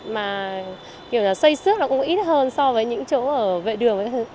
mà kiểu là xây xước nó cũng ít hơn so với những chỗ ở vệ đường ấy